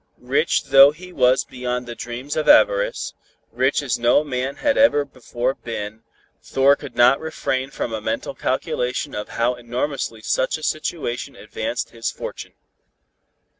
Rich though he was beyond the dreams of avarice, rich as no man had ever before been, Thor could not refrain from a mental calculation of how enormously such a situation advanced his fortune.